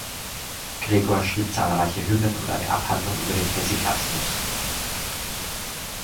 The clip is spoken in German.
Gregor schrieb zahlreiche Hymnen und eine Abhandlung über den Hesychasmus.